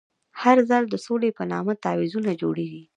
هر ځل د سولې په نامه تعویضونه جوړېږي.